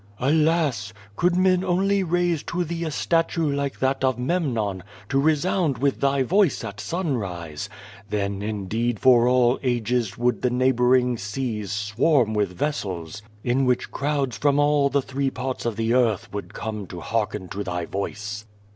"Alas, could men only raise to thee a statue like that of Memnon, to resound with thy voice at sunrise! Then, indeed, for all ages would the neighboring seas swarm with vessels, in which crowds from all the three jiarts of the earth would come to hearken to thy voice."